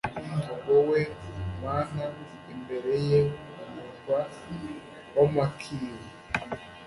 wowe Mana imbereye umurwa w’amakiriro